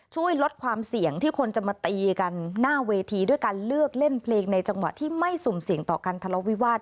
ช่วยลดความเสี่ยงที่คนจะมาตีกันหน้าเวทีด้วยการเลือกเล่นเพลงในจังหวะที่ไม่สุ่มเสี่ยงต่อการทะเลาวิวาส